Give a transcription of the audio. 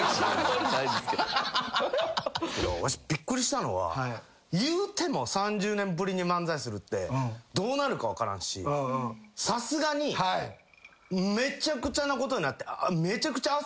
わしびっくりしたのは３０年ぶりに漫才するってどうなるか分からんしさすがにめちゃくちゃなことになって。